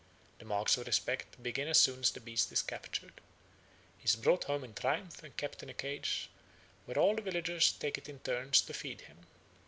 The marks of respect begin as soon as the beast is captured. He is brought home in triumph and kept in a cage, where all the villagers take it in turns to feed him.